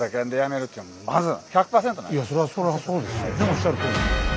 おっしゃるとおり。